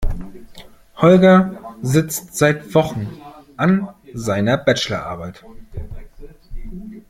Holger sitzt seit Wochen an seiner Bachelorarbeit.